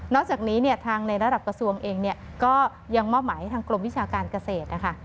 จากนี้เนี่ยทางในระดับกระทรวงเองเนี่ยก็ยังมอบหมายให้ทางกรมวิชาการเกษตรนะคะ